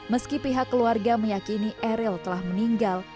meski pihak keluarga meyakini eril telah meninggal